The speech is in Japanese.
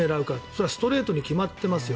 それはストレートに決まってますよ